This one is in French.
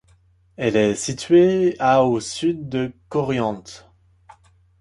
Elle est située à au sud de Corrientes.